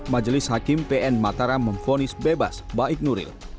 majelis hakim pn mataram memfonis bebas baik nuril